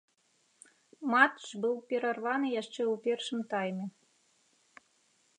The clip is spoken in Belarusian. Матч быў перарваны яшчэ ў першым тайме.